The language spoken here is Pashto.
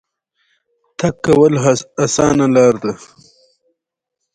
خو لومړۍ ځمکه حاصلخیزه وه او ډېر محصول ورکوي